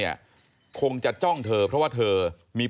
ถ้าเขาถูกจับคุณอย่าลืม